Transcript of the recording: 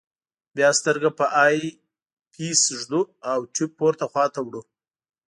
بیا سترګه په آی پیس ږدو او ټیوب پورته خواته وړو.